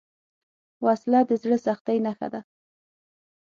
وسله د زړه سختۍ نښه ده